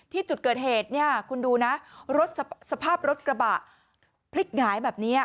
ที่จุดเกิดเหตุเนี่ยคุณดูนะรถสภาพรถกระบะพลิกหงายแบบนี้